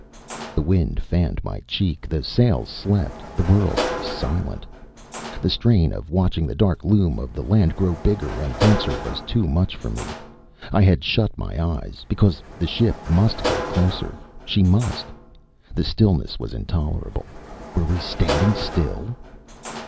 The wind fanned my cheek, the sails slept, the world was silent. The strain of watching the dark loom of the land grow bigger and denser was too much for me. I had shut my eyes because the ship must go closer. She must! The stillness was intolerable. Were we standing still?